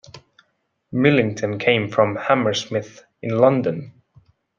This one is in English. Millington came from Hammersmith in London.